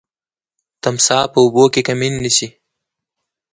تمساح په اوبو کي کمین نیسي.